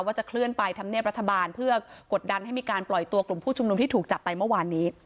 จะเคลื่อนไปทำเนียบรัฐบาลเพื่อกดดันให้มีการปล่อยตัวกลุ่มผู้ชุมนุมที่ถูกจับไปเมื่อวานนี้